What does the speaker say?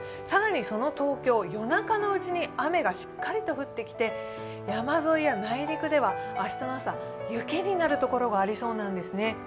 更にその東京、夜中のうちに雨がしっかりと降ってきて山沿いや内陸では明日の朝雪になるところがありそうです。